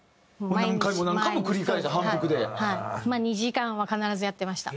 まあ２時間は必ずやってました。